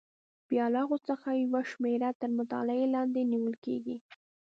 بیا له هغو څخه یوه شمېره تر مطالعې لاندې نیول کېږي.